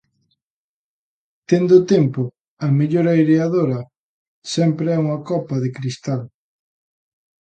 Tendo tempo, a mellor aireadora sempre é unha copa de cristal.